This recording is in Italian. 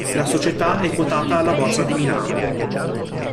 La società è quotata alla Borsa di Milano.